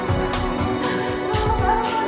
aku tidak mau